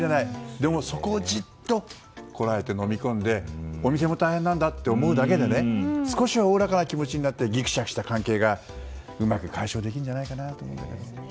でも、そこをじっとこらえてのみ込んでお店も大変なんだって思うだけで少しはおおらかな気持ちになってぎくしゃくした関係がうまく解消できるんじゃないかなと思いますね。